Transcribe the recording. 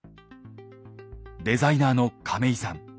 デザイナーの亀井さん。